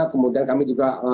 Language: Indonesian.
kemudian kami juga